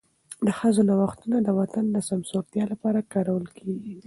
د ښځو نوښتونه د وطن د سمسورتیا لپاره کارول کېږي.